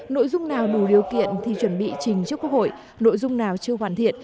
nội dung nào đủ điều kiện thì chuẩn bị trình trước quốc hội nội dung nào chưa hoàn thiện